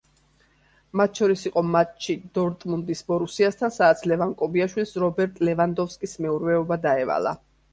მათ შორის იყო მატჩი დორტმუნდის „ბორუსიასთან“, სადაც ლევან კობიაშვილს რობერტ ლევანდოვსკის მეურვეობა დაევალა.